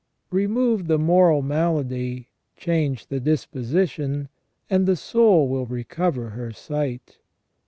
Remove the m.oral malady, change the disposition, and the soul will recover her sight.